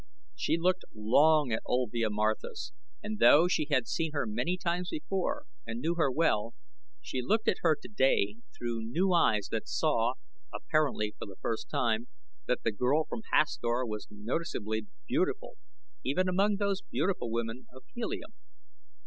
She looked long at Olvia Marthis, and though she had seen her many times before and knew her well, she looked at her today through new eyes that saw, apparently for the first time, that the girl from Hastor was noticeably beautiful even among those other beautiful women of Helium.